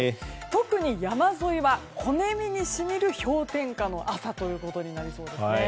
特に山沿いは骨身に染みる氷点下の朝となりそうです。